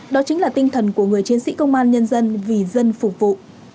đó chính là tinh thần của người chiến sĩ công an nhân dân vì dân phục vụ